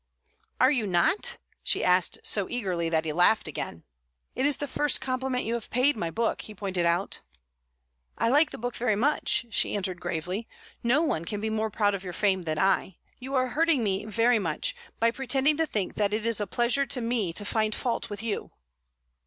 "Are you not?" she asked, so eagerly that he laughed again. "It is the first compliment you have paid my book," he pointed out. "I like the book very much," she answered gravely. "No one can be more proud of your fame than I. You are hurting me very much by pretending to think that it is a pleasure to me to find fault with you."